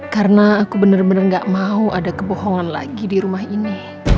karena aku bener bener gak mau ada kebohongan lagi di rumah ini